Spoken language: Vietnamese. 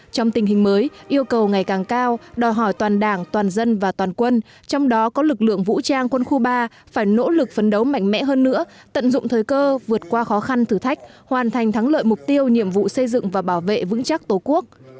trong tình hình mới yêu cầu ngày càng cao đòi hỏi toàn đảng toàn dân và toàn quân trong đó có lực lượng vũ trang quân khu ba phải nỗ lực phấn đấu mạnh mẽ hơn nữa tận dụng thời cơ vượt qua khó khăn thử thách hoàn thành thắng lợi mục tiêu nhiệm vụ xây dựng và bảo vệ vững chắc tổ quốc